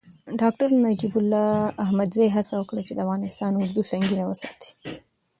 ډاکتر نجیب الله احمدزي هڅه وکړه چې د افغانستان اردو سنګین وساتي.